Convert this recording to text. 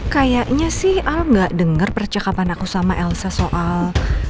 kayaknya sih al gak dengar percakapan aku sama elsa soal